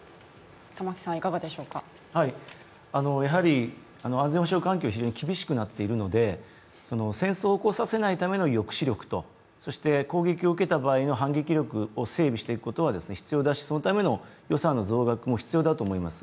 やはり安全保障環境は非常に厳しくなっているので戦争を起こさせないための抑止力と攻撃を受けた場合の反撃力を整備していくことは必要だしそのための予算の増額も必要だと思います。